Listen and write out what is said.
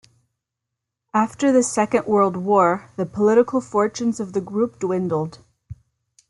After the Second World War, the political fortunes of the group dwindled.